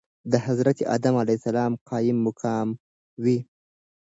دحضرت ادم عليه السلام قايم مقام وي .